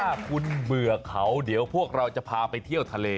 ถ้าคุณเบื่อเขาเดี๋ยวพวกเราจะพาไปเที่ยวทะเล